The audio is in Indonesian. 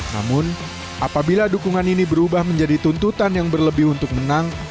namun apabila dukungan ini berubah menjadi tuntutan yang berlebih untuk menang